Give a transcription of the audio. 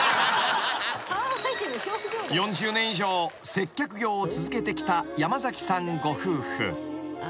［４０年以上接客業を続けてきた山さんご夫婦］